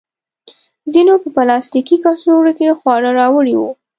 ځینو په پلاستیکي کڅوړو کې خواړه راوړي وو.